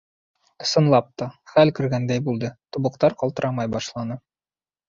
Ысынлап та, хәл кергәндәй булды, тубыҡтар ҡалтырамай башланы.